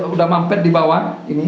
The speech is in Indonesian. udah mampet di bawah